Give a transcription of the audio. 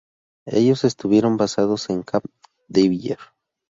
Ellos estuvieron basados en Camp Dwyer.